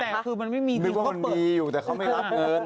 แต่คือมันไม่มีที่เขาเปิดนึกว่ามันมีอยู่แต่เขาไม่รับเงิน